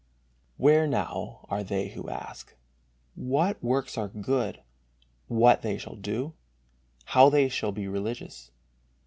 Where now are they who ask, what works are good; what they shall do; how they shall be religious?